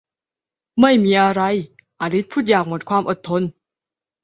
ไม่มีอะไร อลิซพูดอย่างหมดความอดทน